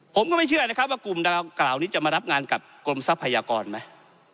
ผมก็ไม่เชื่อนะครับว่ากลุ่มดาวกล่าวนี้จะมารับงานกับกรมทรัพยากรไหม